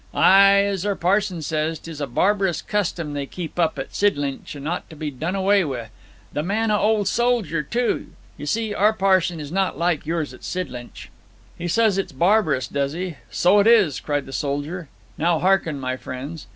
'Ay, as our pa'son says, 'tis a barbarous custom they keep up at Sidlinch, and ought to be done away wi'. The man a' old soldier, too. You see, our pa'son is not like yours at Sidlinch.' 'He says it is barbarous, does he? So it is!' cried the soldier. 'Now hearken, my friends.'